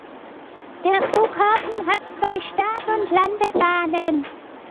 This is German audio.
Der Flughafen hat zwei Start- und Landebahnen.